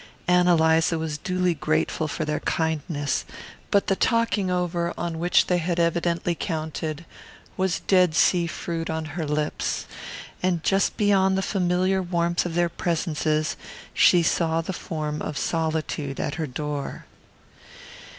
Ann Eliza was duly grateful for their kindness, but the "talking over" on which they had evidently counted was Dead Sea fruit on her lips; and just beyond the familiar warmth of their presences she saw the form of Solitude at her door.